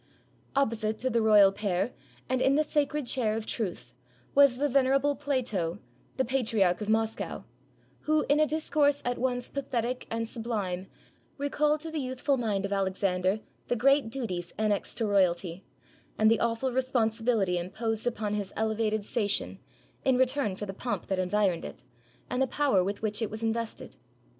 Opposite to the royal pair, and in the sacred chair of truth, was the venerable Plato, the Patriarch of Moscow; who, in a discourse at once pathetic and sublime, recalled to the youthful mind of Alexander the great duties annexed to royalty, and the awful responsibility imposed upon his elevated sta tion, in return for the pomp that environed it, and the power with which it was invested.